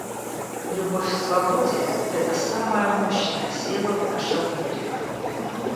Любовь к свободе — это самая мощная сила в нашем мире.